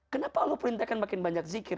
kenapa allah perintahkan makin banyak zikir